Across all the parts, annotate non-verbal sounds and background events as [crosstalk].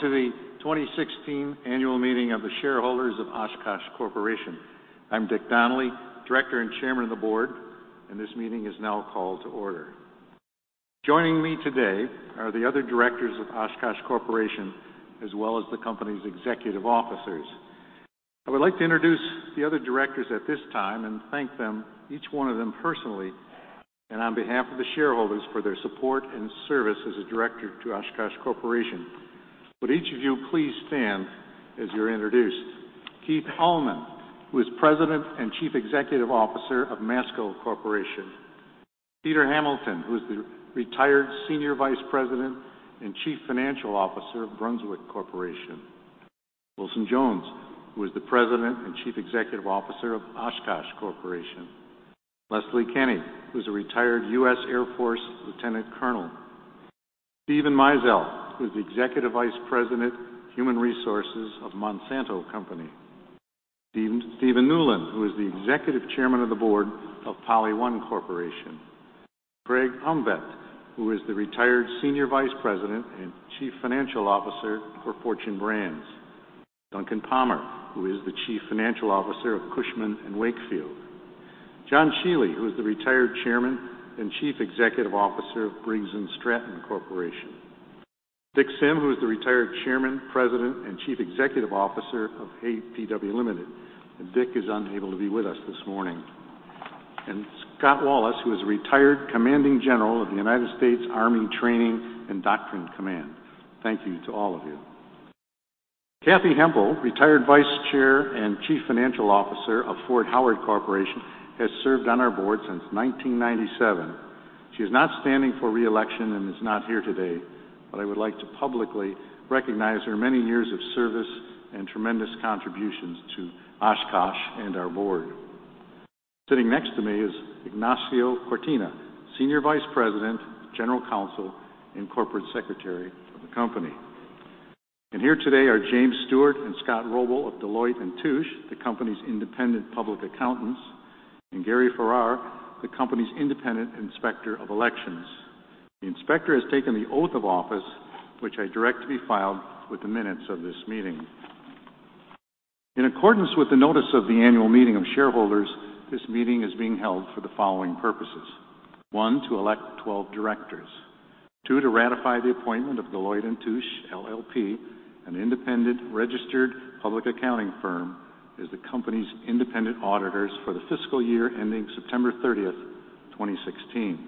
To the 2016 annual meeting of the shareholders of Oshkosh Corporation. I'm Dick Donnelly, Director and Chairman of the Board, and this meeting is now called to order. Joining me today are the other directors of Oshkosh Corporation, as well as the company's executive officers. I would like to introduce the other directors at this time and thank them, each one of them personally and on behalf of the shareholders, for their support and service as a director to Oshkosh Corporation. Would each of you please stand as you're introduced? Keith Allman, who is President and Chief Executive Officer of Masco Corporation. Peter Hamilton, who is the retired Senior Vice President and Chief Financial Officer of Brunswick Corporation. Wilson Jones, who is the President and Chief Executive Officer of Oshkosh Corporation. Leslie Kenne, who is a retired U.S. Air Force Lieutenant General. Stephen Mizell, who is the Executive Vice President, Human Resources of Monsanto Company. Stephen Newlin, who is the Executive Chairman of the Board of PolyOne Corporation. Craig Omtvedt, who is the retired Senior Vice President and Chief Financial Officer for Fortune Brands. Duncan Palmer, who is the Chief Financial Officer of Cushman & Wakefield. John Shiely, who is the retired Chairman and Chief Executive Officer of Briggs & Stratton Corporation. Dick Sim, who is the retired Chairman, President, and Chief Executive Officer of APW Limited. Dick is unable to be with us this morning. And William Wallace, who is a retired Commanding General of the United States Army Training and Doctrine Command. Thank you to all of you. Kathy Hempel, retired Vice Chair and Chief Financial Officer of Fort Howard Corporation, has served on our board since 1997. She is not standing for reelection and is not here today, but I would like to publicly recognize her many years of service and tremendous contributions to Oshkosh and our board. Sitting next to me is Ignacio Cortina, Senior Vice President, General Counsel, and Corporate Secretary of the company. Here today are James Stewart and Scott Robl of Deloitte & Touche, the company's independent public accountants, and Gary Farrar, the company's independent inspector of elections. The inspector has taken the oath of office, which I direct to be filed with the minutes of this meeting. In accordance with the notice of the annual meeting of shareholders, this meeting is being held for the following purposes: one, to elect 12 directors; two, to ratify the appointment of Deloitte & Touche, LLP, an independent registered public accounting firm as the company's independent auditors for the fiscal year ending September 30th, 2016;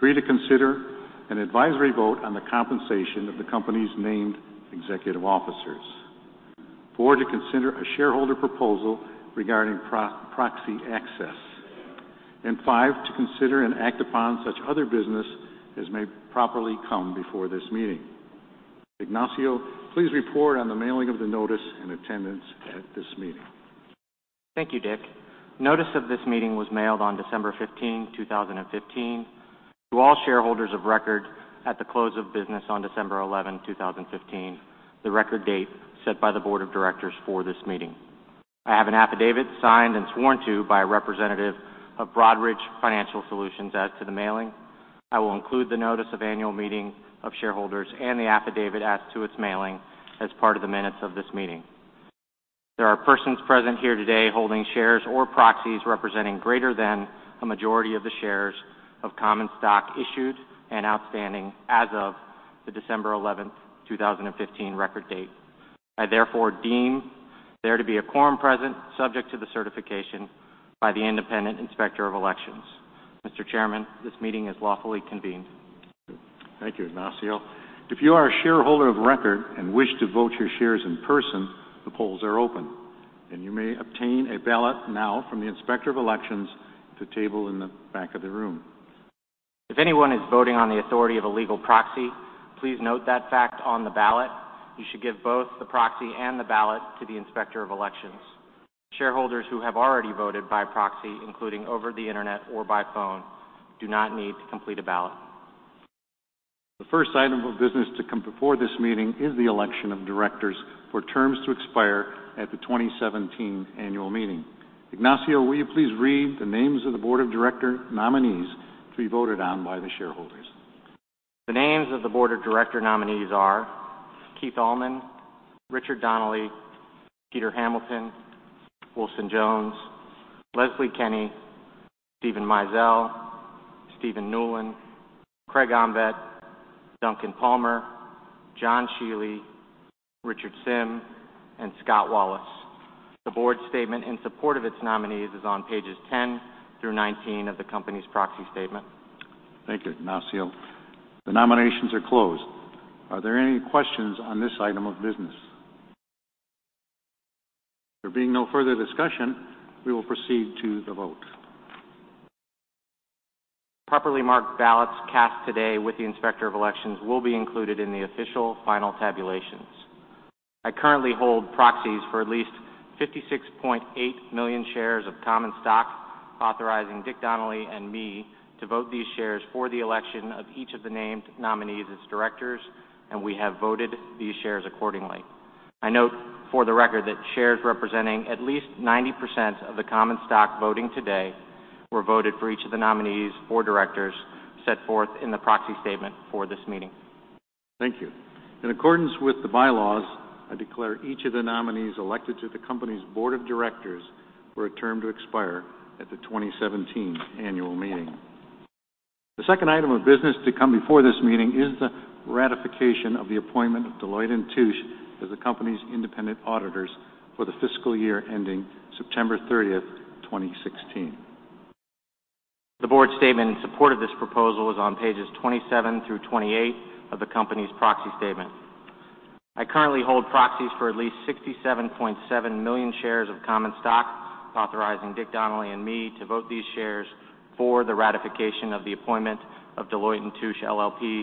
three, to consider an advisory vote on the compensation of the company's named executive officers; four, to consider a shareholder proposal regarding proxy access; and five, to consider and act upon such other business as may properly come before this meeting. Ignacio, please report on the mailing of the notice and attendance at this meeting. Thank you, Dick. Notice of this meeting was mailed on December 15th, 2015, to all shareholders of record at the close of business on December 11th, 2015, the record date set by the board of directors for this meeting. I have an affidavit signed and sworn to by a representative of Broadridge Financial Solutions as to the mailing. I will include the notice of annual meeting of shareholders and the affidavit as to its mailing as part of the minutes of this meeting. There are persons present here today holding shares or proxies representing greater than a majority of the shares of common stock issued and outstanding as of the December 11th, 2015, record date. I therefore deem there to be a quorum present, subject to the certification by the independent inspector of elections. Mr. Chairman, this meeting is lawfully convened. Thank you, Ignacio. If you are a shareholder of record and wish to vote your shares in person, the polls are open, and you may obtain a ballot now from the inspector of elections at the table in the back of the room. If anyone is voting on the authority of a legal proxy, please note that fact on the ballot. You should give both the proxy and the ballot to the inspector of elections. Shareholders who have already voted by proxy, including over the internet or by phone, do not need to complete a ballot. The first item of business to come before this meeting is the election of directors for terms to expire at the 2017 annual meeting. Ignacio, will you please read the names of the board of director nominees to be voted on by the shareholders? The names of the board of director nominees are Keith Allman, Richard Donnelly, Peter Hamilton, Wilson Jones, Leslie Kenne, Stephen Mizell, Stephen Newlin, Craig Omtvedt, Duncan Palmer, John Shiely, Richard Sim, and William Wallace. The board statement in support of its nominees is on pages 10 through 19 of the company's proxy statement. Thank you, Ignacio. The nominations are closed. Are there any questions on this item of business? There being no further discussion, we will proceed to the vote. Properly marked ballots cast today with the inspector of elections will be included in the official final tabulations. I currently hold proxies for at least 56.8 million shares of common stock, authorizing Dick Donnelly and me to vote these shares for the election of each of the named nominees as directors, and we have voted these shares accordingly. I note for the record that shares representing at least 90% of the common stock voting today were voted for each of the nominees or directors set forth in the proxy statement for this meeting. Thank you. In accordance with the bylaws, I declare each of the nominees elected to the company's board of directors for a term to expire at the 2017 annual meeting. The second item of business to come before this meeting is the ratification of the appointment of Deloitte & Touche as the company's independent auditors for the fiscal year ending September 30th, 2016. The board statement in support of this proposal is on pages 27 through 28 of the company's proxy statement. I currently hold proxies for at least 67.7 million shares of common stock, authorizing Dick Donnelly and me to vote these shares for the ratification of the appointment of Deloitte & Touche, LLP,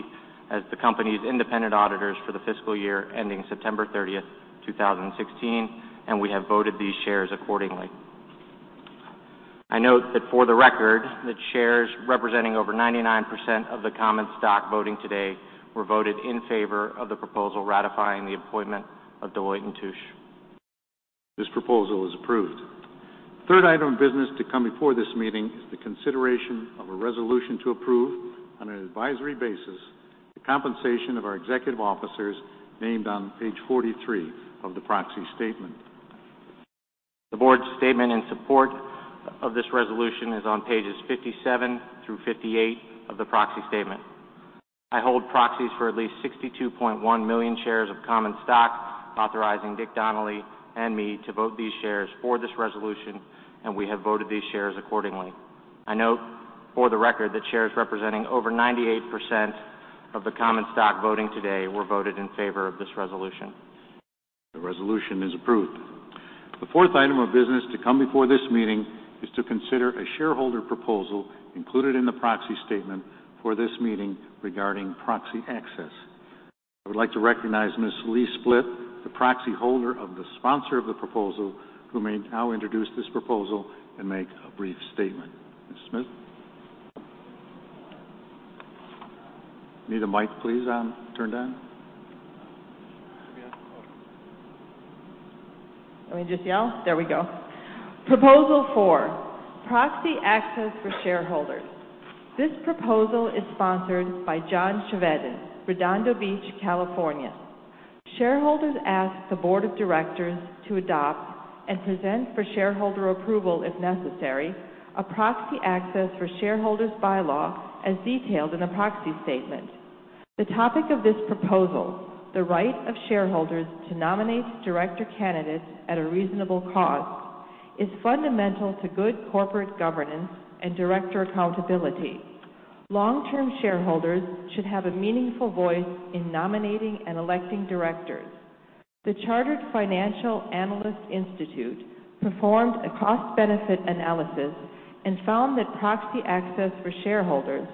as the company's independent auditors for the fiscal year ending September 30th, 2016, and we have voted these shares accordingly. I note that for the record, the shares representing over 99% of the common stock voting today were voted in favor of the proposal ratifying the appointment of Deloitte & Touche. This proposal is approved. The third item of business to come before this meeting is the consideration of a resolution to approve on an advisory basis the compensation of our executive officers named on page 43 of the proxy statement. The board statement in support of this resolution is on pages 57 through 58 of the proxy statement. I hold proxies for at least 62.1 million shares of common stock, authorizing Dick Donnelly and me to vote these shares for this resolution, and we have voted these shares accordingly. I note for the record that shares representing over 98% of the common stock voting today were voted in favor of this resolution. The resolution is approved. The fourth item of business to come before this meeting is to consider a shareholder proposal included in the proxy statement for this meeting regarding proxy access. I would like to recognize Ms. Lee Splitt, the proxy holder of the sponsor of the proposal, who may now introduce this proposal and make a brief statement. Ms. Split? Need a mic, please, turned on? I mean, just yell? There we go. Proposal four, proxy access for shareholders. This proposal is sponsored by John Chevedden, Redondo Beach, California. Shareholders ask the board of directors to adopt and present for shareholder approval, if necessary, a proxy access for shareholders' bylaw as detailed in the proxy statement. The topic of this proposal, the right of shareholders to nominate director candidates at a reasonable cost, is fundamental to good corporate governance and director accountability. Long-term shareholders should have a meaningful voice in nominating and electing directors. The Chartered Financial Analyst Institute performed a cost-benefit analysis and found that proxy access for shareholders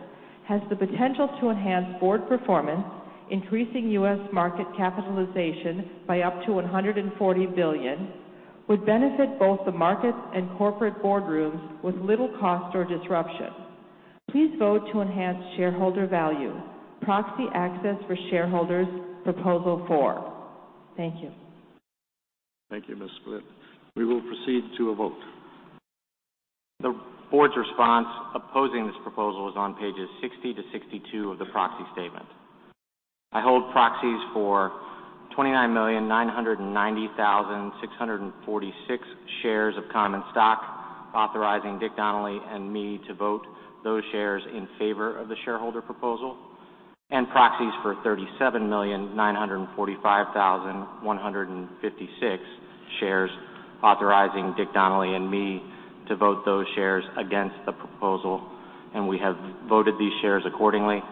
has the potential to enhance board performance, increasing U.S. market capitalization by up to $140 billion, would benefit both the markets and corporate boardrooms with little cost or disruption. Please vote to enhance shareholder value. Proxy access for shareholders, proposal four. Thank you. Thank you, Ms. Split. We will proceed to a vote. The board's response opposing this proposal is on pages 60-62 of the proxy statement. I hold proxies for 29,990,646 shares of common stock, authorizing Dick Donnelly and me to vote those shares in favor of the shareholder proposal, and proxies for 37,945,156 shares, authorizing Dick Donnelly and me to vote those shares against the proposal, and we have voted these shares accordingly.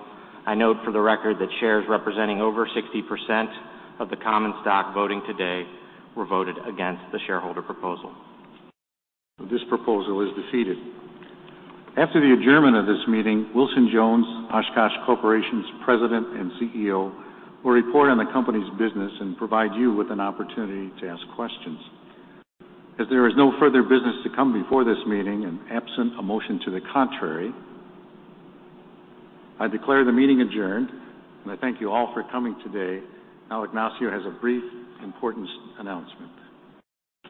I note for the record that shares representing over 60% of the common stock voting today were voted against the shareholder proposal. This proposal is defeated. After the adjournment of this meeting, Wilson Jones, Oshkosh Corporation's President and CEO, will report on the company's business and provide you with an opportunity to ask questions. As there is no further business to come before this meeting and absent a motion to the contrary, I declare the meeting adjourned, and I thank you all for coming today. Now, Ignacio has a brief important announcement.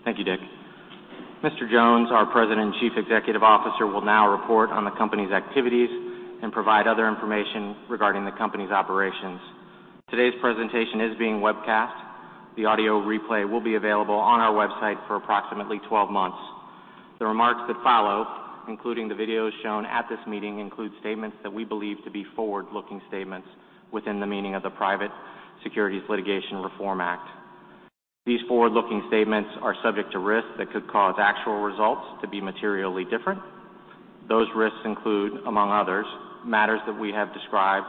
Thank you, Dick. Mr. Jones, our President and Chief Executive Officer, will now report on the company's activities and provide other information regarding the company's operations. Today's presentation is being webcast. The audio replay will be available on our website for approximately 12 months. The remarks that follow, including the videos shown at this meeting, include statements that we believe to be forward-looking statements within the meaning of the Private Securities Litigation Reform Act. These forward-looking statements are subject to risks that could cause actual results to be materially different. Those risks include, among others, matters that we have described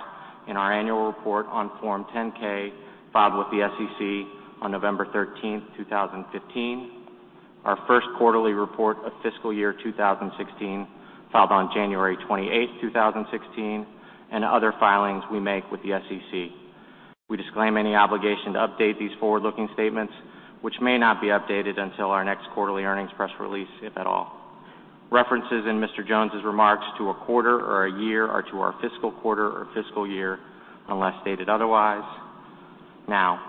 in our annual report on Form 10-K filed with the SEC on November 13th, 2015, our first quarterly report of fiscal year 2016 filed on January 28th, 2016, and other filings we make with the SEC. We disclaim any obligation to update these forward-looking statements, which may not be updated until our next quarterly earnings press release, if at all. References in Mr. Jones' remarks to a quarter or a year are to our fiscal quarter or fiscal year unless stated otherwise. Now,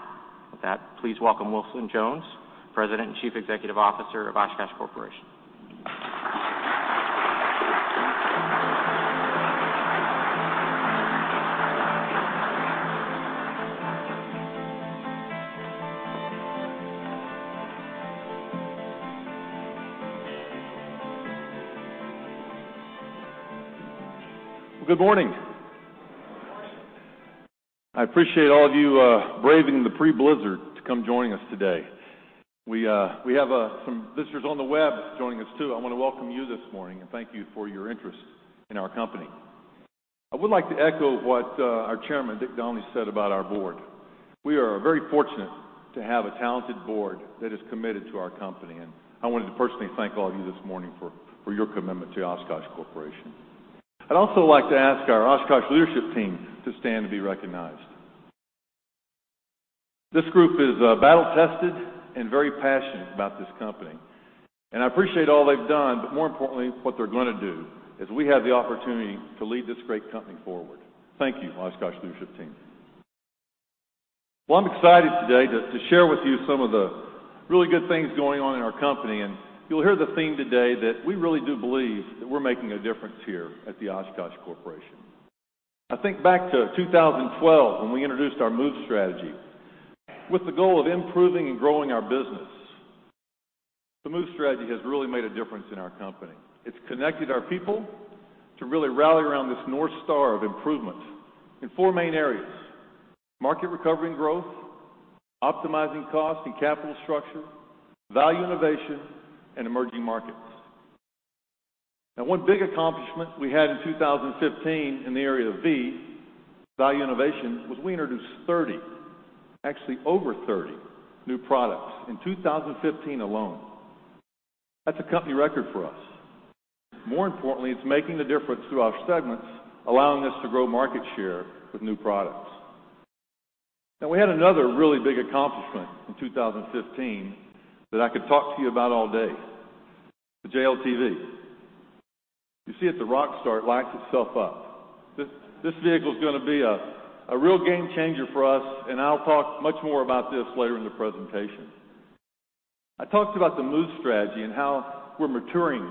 with that, please welcome Wilson Jones, President and Chief Executive Officer of Oshkosh Corporation. Good morning. I appreciate all of you braving the pre-blizzard to come joining us today. We have some visitors on the web joining us too. I want to welcome you this morning and thank you for your interest in our company. I would like to echo what our Chairman, Dick Donnelly, said about our board. We are very fortunate to have a talented board that is committed to our company, and I wanted to personally thank all of you this morning for your commitment to Oshkosh Corporation. I'd also like to ask our Oshkosh leadership team to stand and be recognized. This group is battle-tested and very passionate about this company, and I appreciate all they've done, but more importantly, what they're going to do as we have the opportunity to lead this great company forward. Thank you, Oshkosh leadership team. Well, I'm excited today to share with you some of the really good things going on in our company, and you'll hear the theme today that we really do believe that we're making a difference here at the Oshkosh Corporation. I think back to 2012 when we introduced our MOVE strategy with the goal of improving and growing our business. The MOVE strategy has really made a difference in our company. It's connected our people to really rally around this North Star of improvement in four main areas: market recovery and growth, optimizing cost and capital structure, value innovation, and emerging markets. Now, one big accomplishment we had in 2015 in the area of value innovation was we introduced 30, actually over 30, new products in 2015 alone. That's a company record for us. More importantly, it's making a difference through our segments, allowing us to grow market share with new products. Now, we had another really big accomplishment in 2015 that I could talk to you about all day: the JLTV. You see it, the Rockstar. It lights itself up. This vehicle is going to be a real game changer for us, and I'll talk much more about this later in the presentation. I talked about the MOVE Strategy and how we're maturing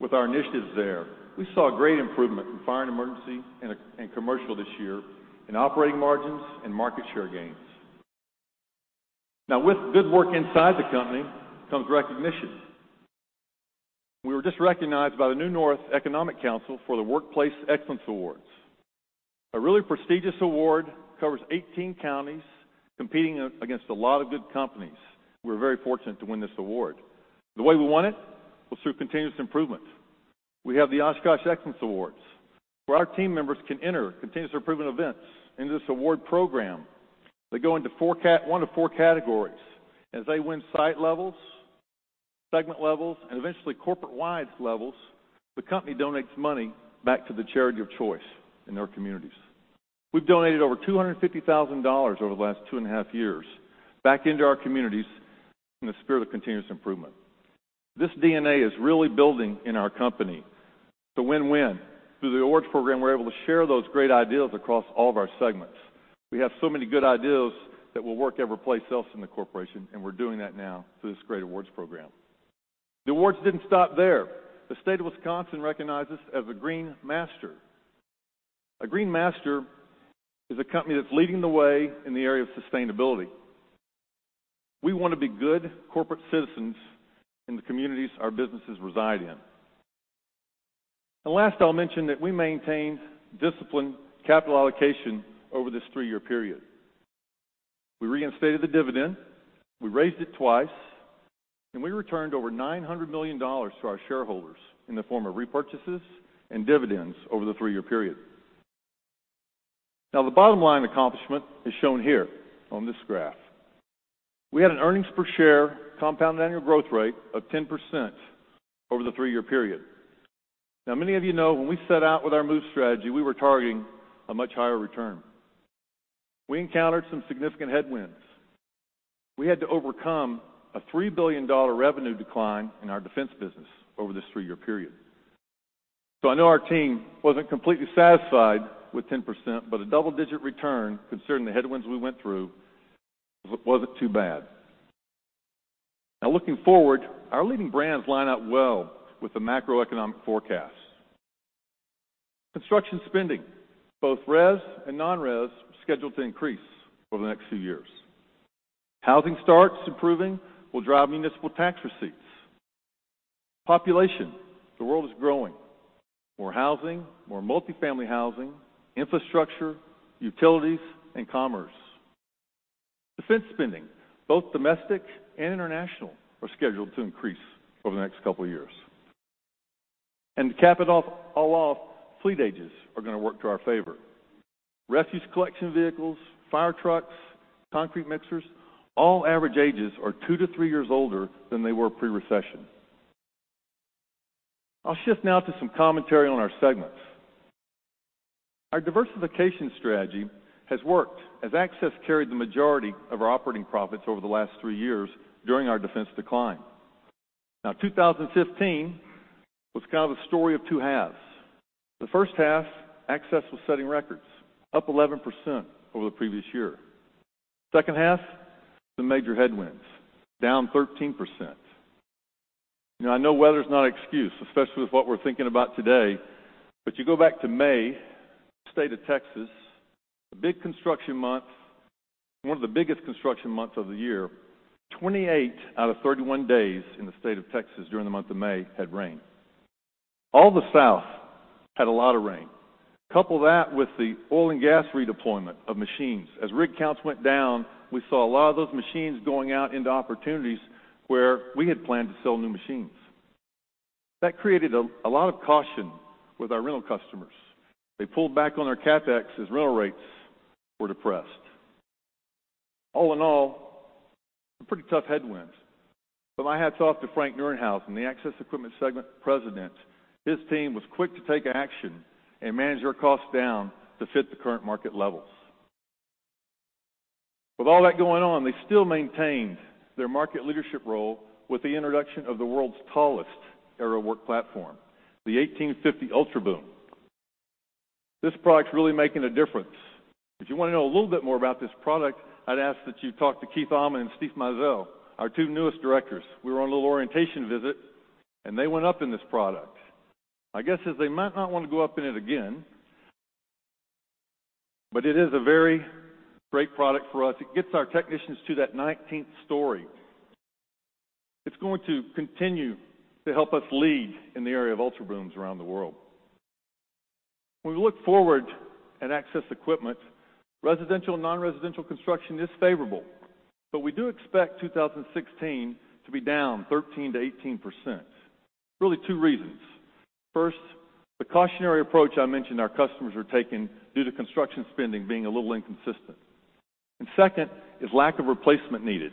with our initiatives there. We saw great improvement in Fire & Emergency and Commercial this year in operating margins and market share gains. Now, with good work inside the company comes recognition. We were just recognized by the New North Economic Council for the Workplace Excellence Awards. A really prestigious award covers 18 counties competing against a lot of good companies. We're very fortunate to win this award. The way we won it was through continuous improvement. We have the Oshkosh Excellence Awards, where our team members can enter continuous improvement events into this award program. They go into one of four categories. As they win site levels, segment levels, and eventually corporate-wide levels, the company donates money back to the charity of choice in their communities. We've donated over $250,000 over the last 2.5 years back into our communities in the spirit of continuous improvement. This DNA is really building in our company. It's a win-win. Through the awards program, we're able to share those great ideas across all of our segments. We have so many good ideas that will work every place else in the corporation, and we're doing that now through this great awards program. The awards didn't stop there. The state of Wisconsin recognized us as a Green Master. A Green Master is a company that's leading the way in the area of sustainability. We want to be good corporate citizens in the communities our businesses reside in. Last, I'll mention that we maintained disciplined capital allocation over this three-year period. We reinstated the dividend, we raised it twice, and we returned over $900 million to our shareholders in the form of repurchases and dividends over the three-year period. Now, the bottom line accomplishment is shown here on this graph. We had an earnings per share compound annual growth rate of 10% over the three-year period. Now, many of you know when we set out with our MOVE strategy, we were targeting a much higher return. We encountered some significant headwinds. We had to overcome a $3 billion revenue decline in our defense business over this three-year period. So I know our team wasn't completely satisfied with 10%, but a double-digit return considering the headwinds we went through wasn't too bad. Now, looking forward, our leading brands line up well with the macroeconomic forecast. Construction spending, both res and non-res, is scheduled to increase over the next few years. Housing starts improving will drive municipal tax receipts. Population, the world is growing. More housing, more multifamily housing, infrastructure, utilities, and commerce. Defense spending, both domestic and international, are scheduled to increase over the next couple of years. And to cap it all off, fleet ages are going to work to our favor. Refuse collection vehicles, fire trucks, concrete mixers, all average ages are 2-3 years older than they were pre-recession. I'll shift now to some commentary on our segments. Our diversification strategy has worked as Access carried the majority of our operating profits over the last three years during our defense decline. Now, 2015 was kind of a story of two halves. The first half, Access was setting records, up 11% over the previous year. Second half, the major headwinds, down 13%. Now, I know weather is not an excuse, especially with what we're thinking about today, but you go back to May, the state of Texas, a big construction month, one of the biggest construction months of the year. 28 out of 31 days in the state of Texas during the month of May had rain. All the South had a lot of rain. Couple that with the oil and gas redeployment of machines. As rig counts went down, we saw a lot of those machines going out into opportunities where we had planned to sell new machines. That created a lot of caution with our rental customers. They pulled back on their CapEx as rental rates were depressed. All in all, a pretty tough headwind. But my hat's off to Frank Nerenhausen, the Access Equipment Segment President. His team was quick to take action and manage their costs down to fit the current market levels. With all that going on, they still maintained their market leadership role with the introduction of the world's tallest aerial work platform, the 1850SJ Ultra Boom. This product's really making a difference. If you want to know a little bit more about this product, I'd ask that you talk to Keith J. Allman and Stephen D. Newlin, our two newest directors. We were on a little orientation visit, and they went up in this product. My guess is they might not want to go up in it again, but it is a very great product for us. It gets our technicians to that 19th story. It's going to continue to help us lead in the area of Ultra Booms around the world. When we look forward at Access Equipment, residential and non-residential construction is favorable, but we do expect 2016 to be down 13%-18%. Really two reasons. First, the cautionary approach I mentioned our customers are taking due to construction spending being a little inconsistent. And second is lack of replacement needed.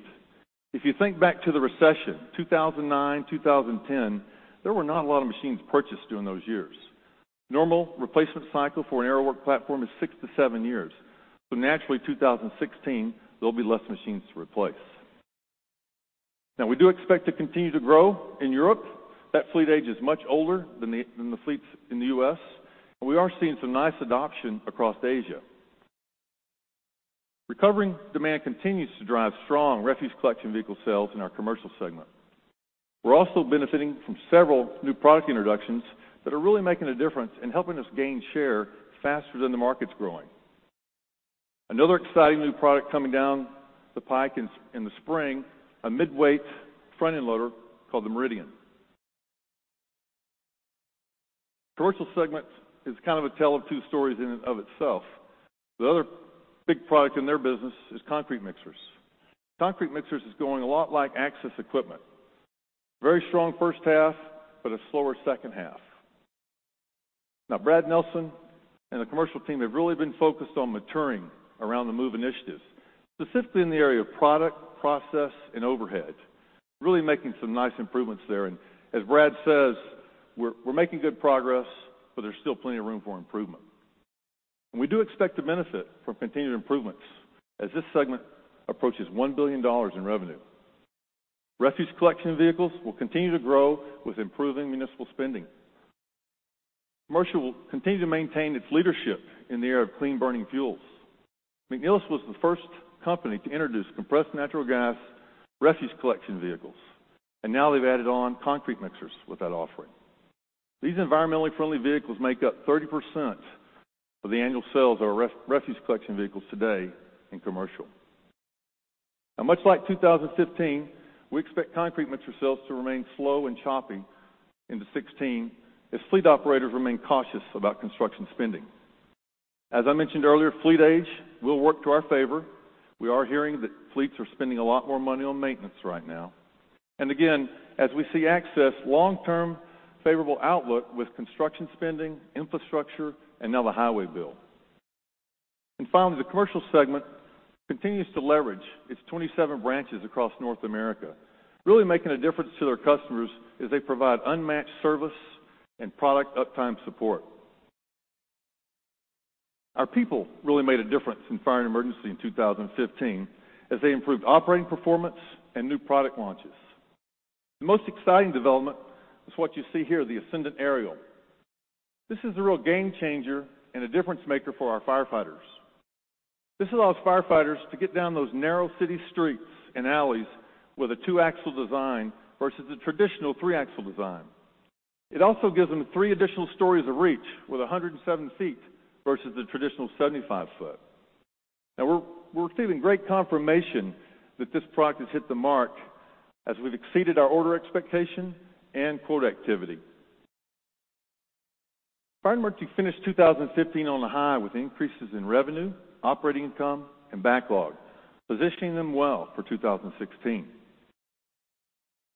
If you think back to the recession, 2009, 2010, there were not a lot of machines purchased during those years. Normal replacement cycle for an aerial work platform is 6-7 years. So naturally, 2016, there'll be less machines to replace. Now, we do expect to continue to grow in Europe. That fleet age is much older than the fleets in the U.S., and we are seeing some nice adoption across Asia. Recovering demand continues to drive strong refuse collection vehicle sales in our Commercial segment. We're also benefiting from several new product introductions that are really making a difference and helping us gain share faster than the market's growing. Another exciting new product coming down the pike in the spring, a mid-weight front-end loader called the Meridian. Commercial segment is kind of a tale of two stories in and of itself. The other big product in their business is concrete mixers. Concrete mixers is going a lot like Access Equipment. Very strong first half, but a slower second half. Now, Brad Nelson and the commercial team have really been focused on maturing around the MOVE initiatives, specifically in the area of product, process, and overhead, really making some nice improvements there. And as Brad says, we're making good progress, but there's still plenty of room for improvement. And we do expect to benefit from continued improvements as this segment approaches $1 billion in revenue. Refuse collection vehicles will continue to grow with improving municipal spending. Commercial will continue to maintain its leadership in the area of clean burning fuels. McNeilus was the first company to introduce compressed natural gas refuse collection vehicles, and now they've added on concrete mixers with that offering. These environmentally friendly vehicles make up 30% of the annual sales of refuse collection vehicles today in commercial. Now, much like 2015, we expect concrete mixer sales to remain slow and choppy into 2016 if fleet operators remain cautious about construction spending. As I mentioned earlier, fleet age will work to our favor. We are hearing that fleets are spending a lot more money on maintenance right now. And again, as we see Access long-term favorable outlook with construction spending, infrastructure, and now the highway bill. And finally, the commercial segment continues to leverage its 27 branches across North America, really making a difference to their customers as they provide unmatched service and product uptime support. Our people really made a difference in fire and emergency in 2015 as they improved operating performance and new product launches. The most exciting development is what you see here, the Ascendant Aerial. This is a real game changer and a difference maker for our firefighters. This allows firefighters to get down those narrow city streets and alleys with a two-axle design versus the traditional three-axle design. It also gives them three additional stories of reach with 107 feet versus the traditional 75-foot. Now, we're receiving great confirmation that this product has hit the mark as we've exceeded our order expectation and quote activity. Fire and Emergency finished 2015 on a high with increases in revenue, operating income, and backlog, positioning them well for 2016.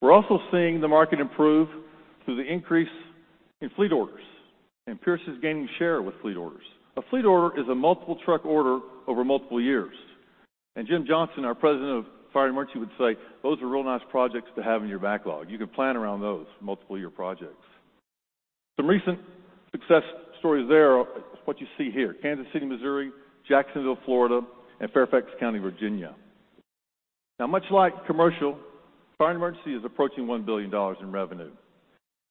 We're also seeing the market improve through the increase in fleet orders, and Pierce is gaining share with fleet orders. A fleet order is a multiple truck order over multiple years. And Jim Johnson, our president of Fire and Emergency, would say those are real nice projects to have in your backlog. You can plan around those multiple-year projects. Some recent success stories there are what you see here: Kansas City, Missouri, Jacksonville, Florida, and Fairfax County, Virginia. Now, much like Commercial, Fire and Emergency is approaching $1 billion in revenue.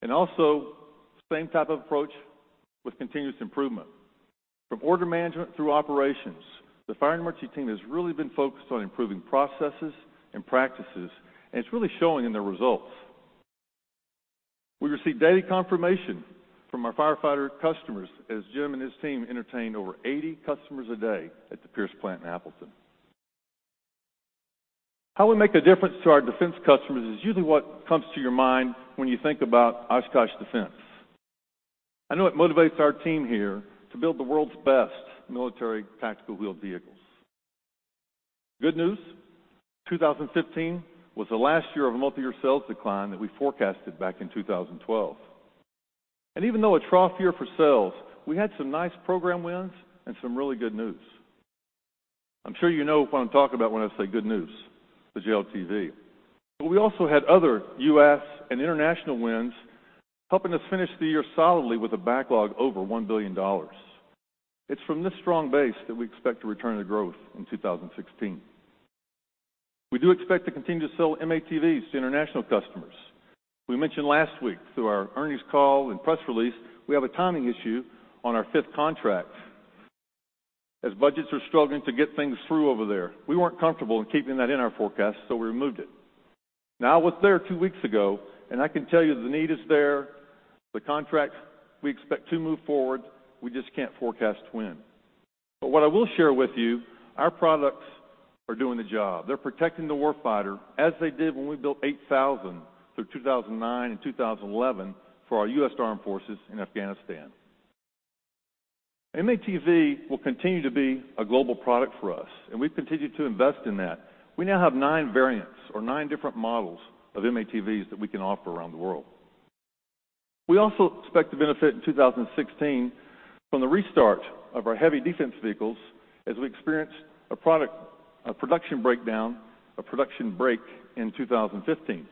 Also, same type of approach with continuous improvement. From order management through operations, the Fire and Emergency team has really been focused on improving processes and practices, and it's really showing in their results. We received daily confirmation from our firefighter customers as Jim and his team entertained over 80 customers a day at the Pierce plant in Appleton. How we make a difference to our Defense customers is usually what comes to your mind when you think about Oshkosh Defense. I know it motivates our team here to build the world's best military tactical wheeled vehicles. Good news, 2015 was the last year of a multi-year sales decline that we forecasted back in 2012. And even though a trough year for sales, we had some nice program wins and some really good news. I'm sure you know what I'm talking about when I say good news, the JLTV. But we also had other U.S. and international wins helping us finish the year solidly with a backlog over $1 billion. It's from this strong base that we expect to return to growth in 2016. We do expect to continue to sell M-ATVs to international customers. We mentioned last week through our earnings call and press release, we have a timing issue on our fifth contract as budgets are struggling to get things through over there. We weren't comfortable in keeping that in our forecast, so we removed it. Now, it was there two weeks ago, and I can tell you the need is there. The contract, we expect to move forward. We just can't forecast when. But what I will share with you, our products are doing the job. They're protecting the warfighter as they did when we built 8,000 through 2009 and 2011 for our U.S. Armed Forces in Afghanistan. M-ATV will continue to be a global product for us, and we've continued to invest in that. We now have nine variants or nine different models of M-ATVs that we can offer around the world. We also expect to benefit in 2016 from the restart of our heavy defense vehicles as we experienced a production breakdown, a production break in 2015.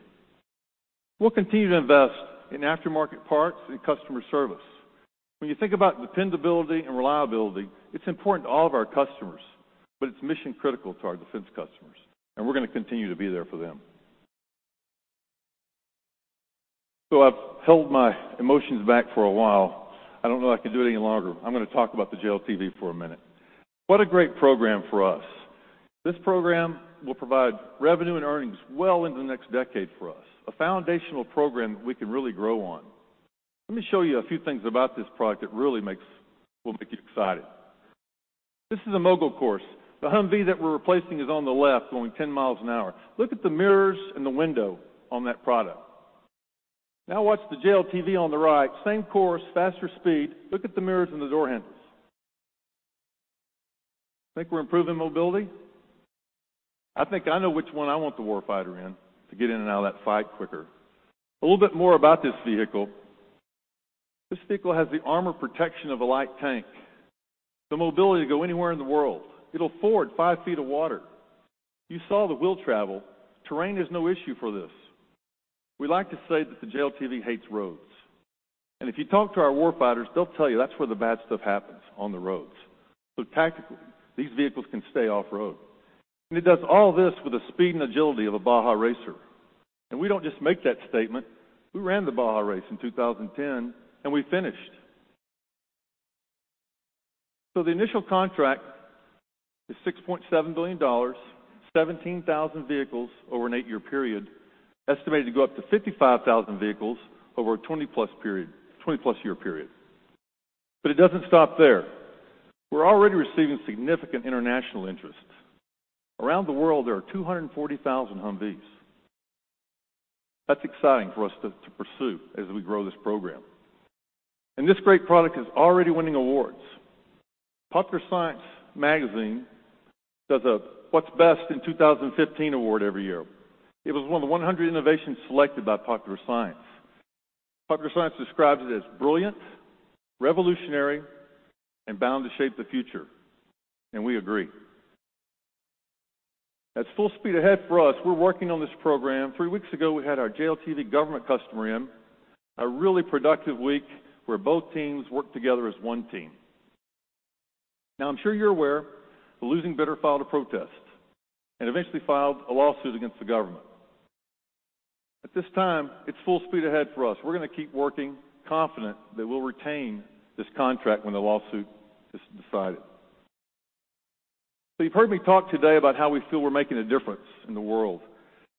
We'll continue to invest in aftermarket parts and customer service. When you think about dependability and reliability, it's important to all of our customers, but it's mission-critical to our defense customers, and we're going to continue to be there for them. So I've held my emotions back for a while. I don't know I can do it any longer. I'm going to talk about the JLTV for a minute. What a great program for us. This program will provide revenue and earnings well into the next decade for us, a foundational program that we can really grow on. Let me show you a few things about this product that really will make you excited. This is a Mogul course. The Humvee that we're replacing is on the left, going 10 miles an hour. Look at the mirrors and the window on that product. Now, watch the JLTV on the right. Same course, faster speed. Look at the mirrors and the door handles. Think we're improving mobility? I think I know which one I want the warfighter in to get in and out of that fight quicker. A little bit more about this vehicle. This vehicle has the armor protection of a light tank, the mobility to go anywhere in the world. It'll ford `five feet of water. You saw the wheel travel. Terrain is no issue for this. We like to say that the JLTV hates roads. If you talk to our warfighters, they'll tell you that's where the bad stuff happens, on the roads. Tactically, these vehicles can stay off-road. It does all this with the speed and agility of a Baja racer. We don't just make that statement. We ran the Baja race in 2010, and we finished. The initial contract is $6.7 billion, 17,000 vehicles over an eight year period, estimated to go up to 55,000 vehicles over a 20-plus year period. It doesn't stop there. We're already receiving significant international interest. Around the world, there are 240,000 Humvees. That's exciting for us to pursue as we grow this program. This great product is already winning awards. Popular Science Magazine does a Best of What's New in 2015 award every year. It was one of the 100 innovations selected by Popular Science. Popular Science describes it as brilliant, revolutionary, and bound to shape the future. We agree. That's full speed ahead for us. We're working on this program. Three weeks ago, we had our JLTV government customer in, a really productive week where both teams worked together as one team. Now, I'm sure you're aware, the losing bidder filed a protest and eventually filed a lawsuit against the government. At this time, it's full speed ahead for us. We're going to keep working, confident that we'll retain this contract when the lawsuit is decided. So you've heard me talk today about how we feel we're making a difference in the world.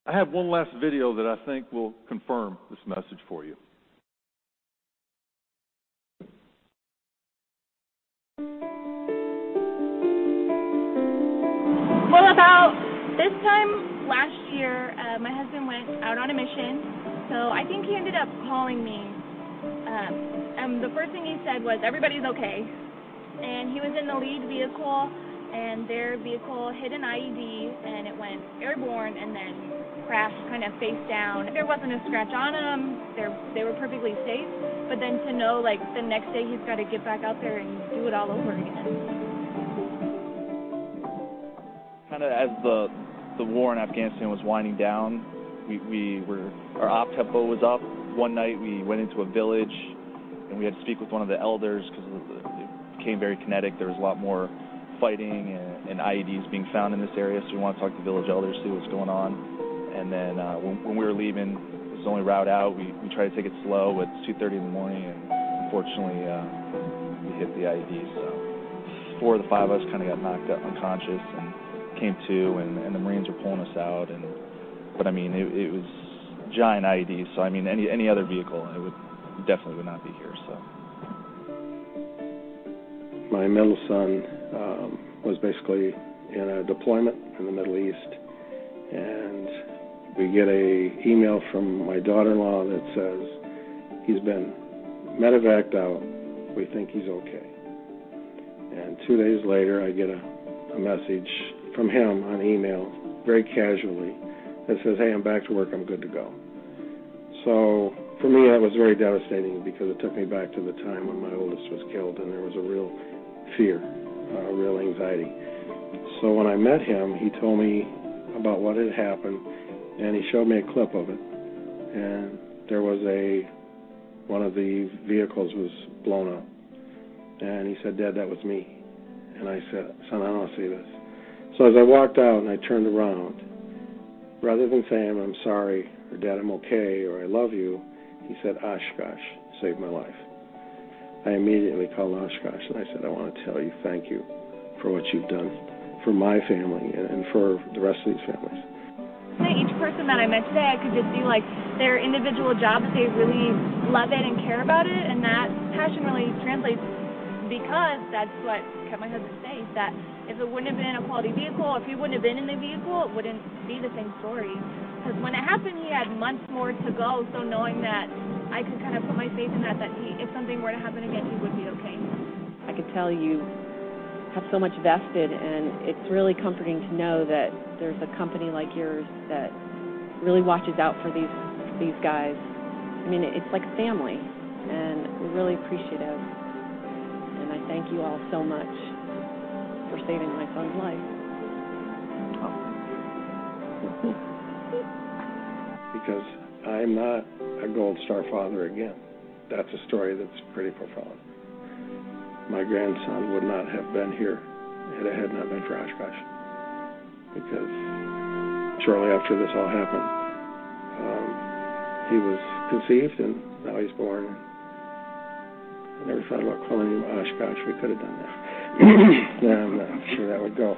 I have one last video that I think will confirm this message for you. [unintelligible] Kind of as the war in Afghanistan was winding down, our OPTEMPO was up. One night, we went into a village, and we had to speak with one of the elders because it became very kinetic. There was a lot more fighting and IEDs being found in this area. So we wanted to talk to village elders to see what's going on. And then when we were leaving, it was the only route out. We tried to take it slow. It's 2:30 A.M., and unfortunately, we hit the IEDs. So four of the five of us kind of got knocked unconscious and came to, and the Marines were pulling us out. But I mean, it was giant IEDs. So I mean, any other vehicle, it definitely would not be here, so. My middle son was basically in a deployment in the Middle East, and we get an email from my daughter-in-law that says, "He's been medevaced out. We think he's okay." And two days later, I get a message from him on email, very casually, that says, "Hey, I'm back to work. I'm good to go." So for me, that was very devastating because it took me back to the time when my oldest was killed, and there was a real fear, a real anxiety. So when I met him, he told me about what had happened, and he showed me a clip of it. And there was one of the vehicles that was blown up. And he said, "Dad, that was me." And I said, "Son, I don't want to see this." So as I walked out and I turned around, rather than saying, "I'm sorry," or, "Dad, I'm okay," or, "I love you," he said, "Oshkosh saved my life." I immediately called Oshkosh, and I said, "I want to tell you thank you for what you've done for my family and for the rest of these families.". [unintelligible] [unintelligible] Because I'm not a gold star father again. That's a story that's pretty profound. My grandson would not have been here had it had not been for Oshkosh because shortly after this all happened, he was conceived, and now he's born. I never thought about calling him Oshkosh. We could have done that. And I'm sure that would go.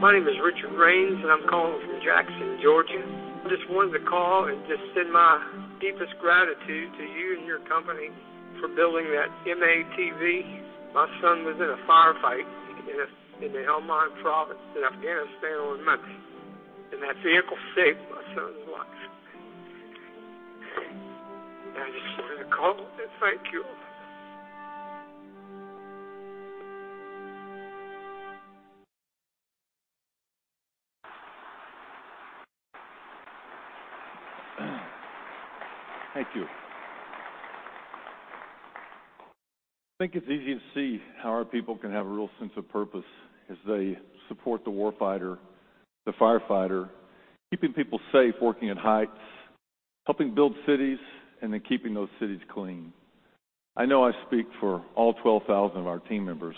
My name is Richard Raines, and I'm calling from Jackson, Georgia. I just wanted to call and just send my deepest gratitude to you and your company for building that M-ATV. My son was in a firefight in the Helmand Province in Afghanistan on Monday, and that vehicle saved my son's life. I just wanted to call and thank you. Thank you. I think it's easy to see how our people can have a real sense of purpose as they support the warfighter, the firefighter, keeping people safe, working at heights, helping build cities, and then keeping those cities clean. I know I speak for all 12,000 of our team members.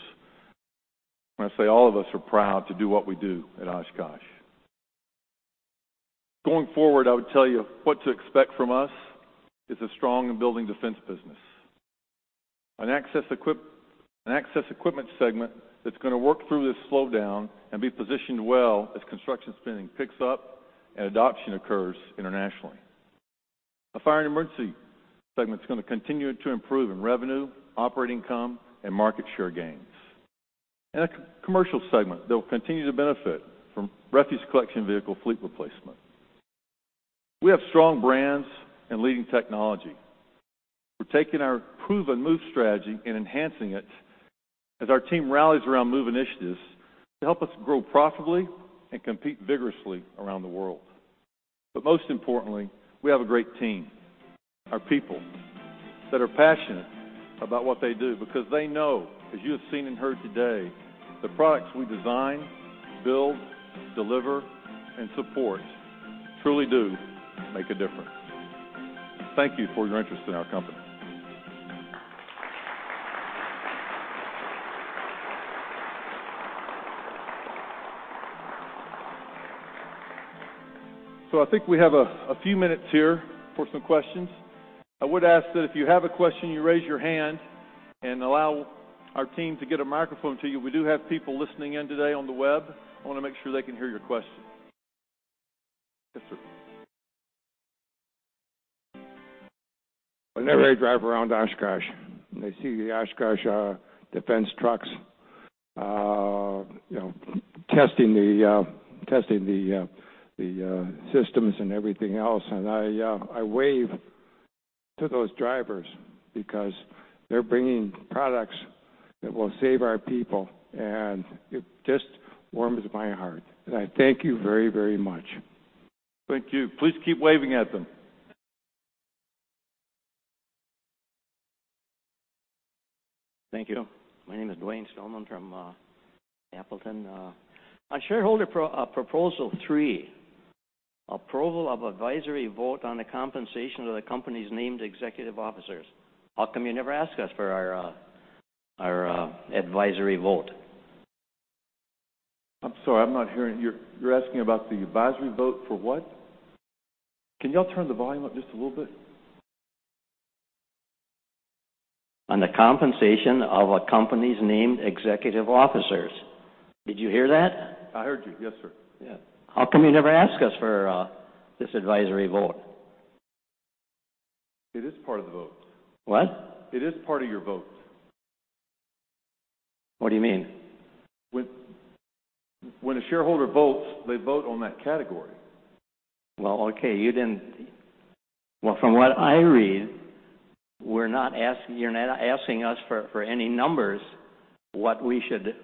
When I say all of us are proud to do what we do at Oshkosh. Going forward, I would tell you what to expect from us is a strong and building defense business, an access equipment segment that's going to work through this slowdown and be positioned well as construction spending picks up and adoption occurs internationally. A fire and emergency segment is going to continue to improve in revenue, operating income, and market share gains. And a commercial segment that will continue to benefit from refuse collection vehicle fleet replacement. We have strong brands and leading technology. We're taking our proven MOVE Strategy and enhancing it as our team rallies around MOVE initiatives to help us grow profitably and compete vigorously around the world. But most importantly, we have a great team, our people that are passionate about what they do because they know, as you have seen and heard today, the products we design, build, deliver, and support truly do make a difference. Thank you for your interest in our company. So I think we have a few minutes here for some questions. I would ask that if you have a question, you raise your hand and allow our team to get a microphone to you. We do have people listening in today on the web. I want to make sure they can hear your question. Yes, sir. Whenever they drive around Oshkosh, they see the Oshkosh Defense trucks testing the systems and everything else. And I wave to those drivers because they're bringing products that will save our people, and it just warms my heart. And I thank you very, very much. Thank you. Please keep waving at them. Thank you. My name is Duane Stoneman from Appleton. My shareholder proposal three, approval of advisory vote on the compensation of the company's named executive officers. How come you never ask us for our advisory vote? I'm sorry. I'm not hearing. You're asking about the advisory vote for what? Can y'all turn the volume up just a little bit? On the compensation of a company's named executive officers. Did you hear that? I heard you. Yes, sir. Yeah. How come you never ask us for this advisory vote? It is part of the vote. What? It is part of your vote. What do you mean? When a shareholder votes, they vote on that category. Well, okay. Well, from what I read, you're not asking us for any numbers what we should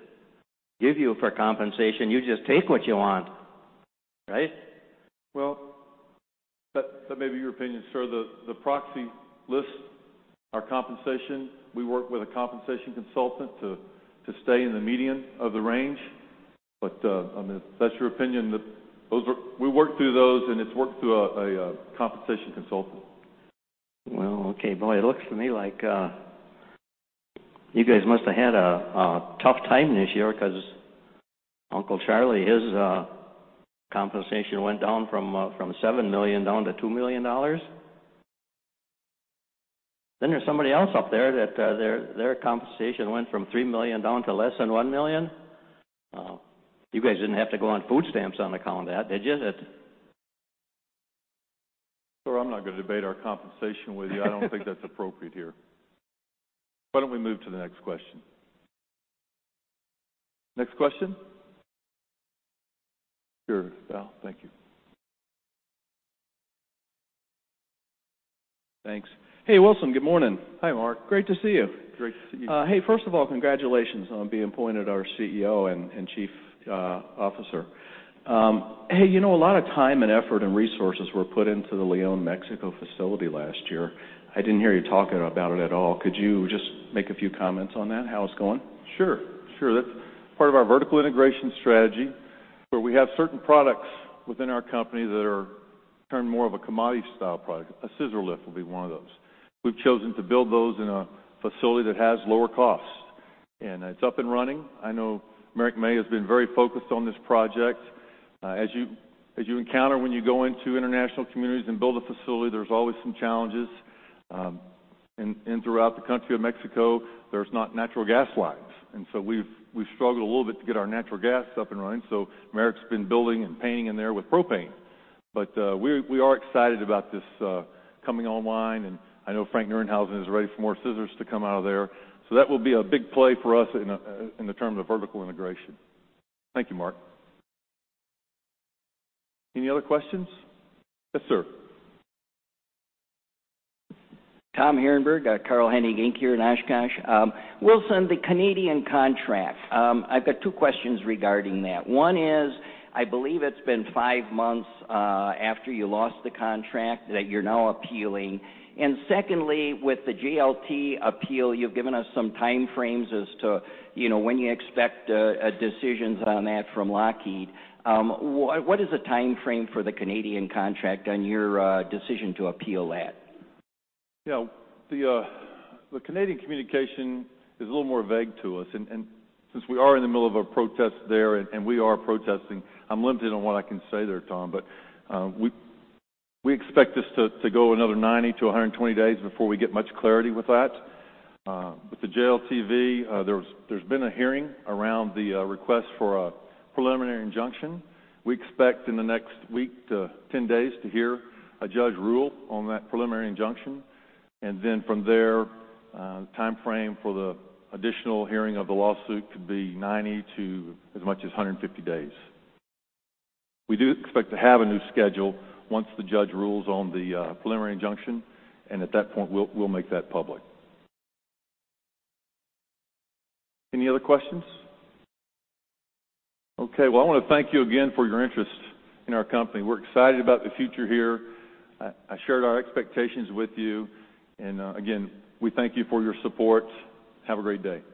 give you for compensation. You just take what you want, right? Well, but maybe your opinion, sir, the proxy list, our compensation, we work with a compensation consultant to stay in the median of the range. But I mean, that's your opinion that we work through those, and it's worked through a compensation consultant. Well, okay. Boy, it looks to me like you guys must have had a tough time this year because Uncle Charlie, his compensation went down from $7 million down to $2 million. Then there's somebody else up there that their compensation went from $3 million down to less than $1 million. You guys didn't have to go on food stamps on account of that, did you? Sir, I'm not going to debate our compensation with you. I don't think that's appropriate here. Why don't we move to the next question? Next question? Sure. Well, thank you. Thanks. Hey, Wilson. Good morning. Hi, Mark. Great to see you. Great to see you. Hey, first of all, congratulations on being appointed our CEO and chief officer. Hey, you know, a lot of time and effort and resources were put into the León, Mexico facility last year. I didn't hear you talking about it at all. Could you just make a few comments on that? How it's going? Sure. Sure. That's part of our vertical integration strategy where we have certain products within our company that are turned more of a commodity style product. A scissor lift will be one of those. We've chosen to build those in a facility that has lower costs. It's up and running. I know Marek Maj has been very focused on this project. As you encounter when you go into international communities and build a facility, there's always some challenges. Throughout the country of Mexico, there's not natural gas lines. So we've struggled a little bit to get our natural gas up and running. So Merrick's been building and painting in there with propane. But we are excited about this coming online. And I know Frank Nerenhausen is ready for more scissors to come out of there. So that will be a big play for us in the terms of vertical integration. Thank you, Mark. Any other questions? Yes, sir. Tom Harenburg, Carl M. Hennig, Inc. here in Oshkosh. Wilson, the Canadian contract, I've got two questions regarding that. One is, I believe it's been five months after you lost the contract that you're now appealing. And secondly, with the JLTV appeal, you've given us some time frames as to when you expect decisions on that from Lockheed. What is the time frame for the Canadian contract on your decision to appeal that? Yeah. The Canadian communication is a little more vague to us. And since we are in the middle of a protest there and we are protesting, I'm limited on what I can say there, Tom. But we expect this to go another 90-120 days before we get much clarity with that. With the JLTV, there's been a hearing around the request for a preliminary injunction. We expect in the next week to 10 days to hear a judge rule on that preliminary injunction. And then from there, the time frame for the additional hearing of the lawsuit could be 90-150 days. We do expect to have a new schedule once the judge rules on the preliminary injunction. And at that point, we'll make that public. Any other questions? Okay. Well, I want to thank you again for your interest in our company. We're excited about the future here. I shared our expectations with you. And again, we thank you for your support. Have a great day.